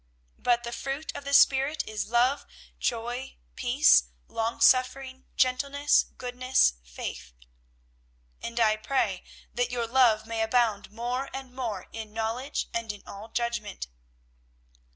But the fruit of the spirit is love, joy, peace, long suffering, gentleness, goodness, faith. And I pray that your love may abound more and more in knowledge and in all judgment.